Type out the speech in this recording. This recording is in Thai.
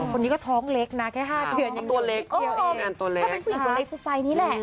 คนนี้ก็ท้องเล็กนะแค่๕เดือนยังเป็นพี่เทียวเองอ่ะตัวเล็กตัวเล็กถ้าเป็นผู้หญิงตัวเล็กจะใส่นี่แหละ